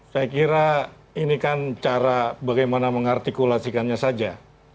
saya kira ini kan cara bagaimana mengartikulasikannya saja